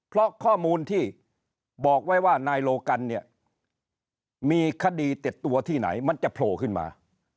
เพราะข้อมูลที่บอกไว้ว่านายโลกันเนี่ยมีคดีติดตัวที่ไหนมันจะโผล่ขึ้นมา